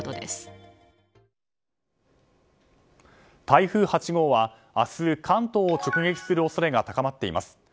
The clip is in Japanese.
台風８号は明日、関東を直撃する恐れが高まっています。